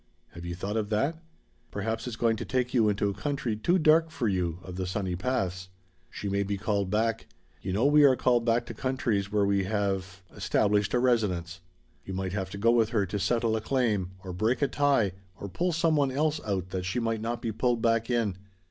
Have you thought of that? Perhaps it's going to take you into a country too dark for you of the sunny paths. She may be called back. You know we are called back to countries where we have established a residence. You might have to go with her to settle a claim, or break a tie, or pull some one else out that she might not be pulled back in.